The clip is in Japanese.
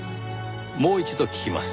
もう一度聞きます。